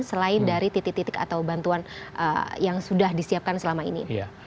selain dari titik titik atau bantuan yang sudah disiapkan selama ini